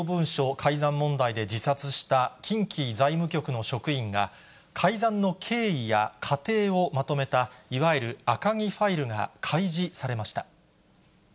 改ざん問題で自殺した、近畿財務局の職員が、改ざんの経緯や過程をまとめた、いわゆる赤木ファイルが開示されました。